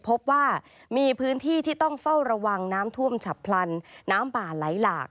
พบว่ามีพื้นที่ที่ต้องเฝ้าระวังน้ำท่วมฉับพลันน้ำป่าไหลหลาก